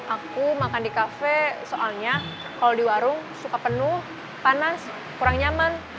aku makan di kafe soalnya kalau di warung suka penuh panas kurang nyaman